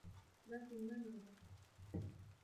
لكن ما هذا؟